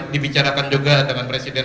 dibicarakan juga dengan presiden